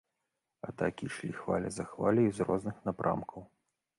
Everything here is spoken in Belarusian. Атакі ішлі хваля за хваляй з розных напрамкаў.